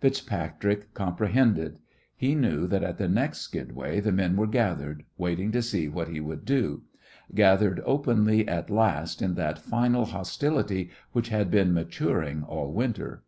FitzPatrick comprehended. He knew that at the next skidway the men were gathered, waiting to see what he would do; gathered openly at last in that final hostility which had been maturing all winter.